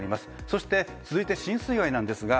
そして、続いて浸水害なんですが